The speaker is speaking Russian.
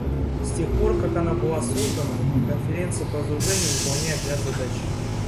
С тех пор как она была создана, Конференция по разоружению выполняет ряд задач.